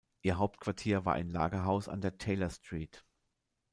Ihr Hauptquartier war ein Lagerhaus an der "Taylor Street".